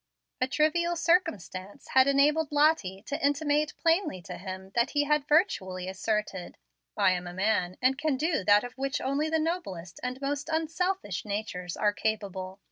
A trivial circumstance had enabled Lottie to intimate plainly to him that he had virtually asserted, "I am a man, and can do that of which only the noblest and most unselfish natures are capable.